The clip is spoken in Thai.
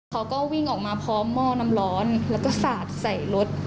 เขาก็วิ่งออกมาพร้อมหม้อน้ำร้อนแล้วก็สาดใส่รถ